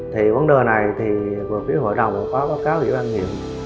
thì quán đờ này thì hội đồng có cáo dự bàn nghiệp